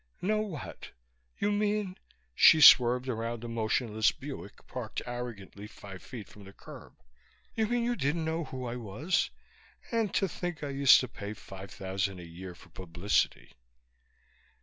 "Know what? You mean " she swerved around a motionless Buick, parked arrogantly five feet from the curb "you mean you didn't know who I was? And to think I used to pay five thousand a year for publicity."